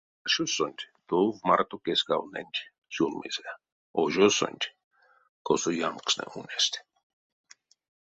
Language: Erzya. Ашосонть тов марто кескавненть сюлмизе, ожосонть — косо ямкстнэ ульнесть.